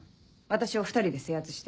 私を２人で制圧して。